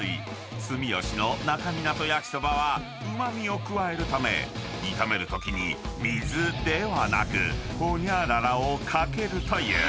［すみよしの那珂湊焼きそばはうま味を加えるため炒めるときに水ではなくホニャララを掛けるという］